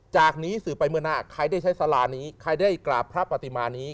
จากนี้สื่อไปเมื่อหน้าใครได้ใช้สารานี้ใครได้กราบพระปฏิมานี้